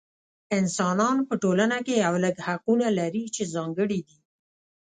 انسانان په ټولنه کې یو لړ حقونه لري چې ځانګړي دي.